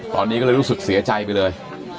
ตอนนี้ก็เลยรู้สึกเสียใจไปเลย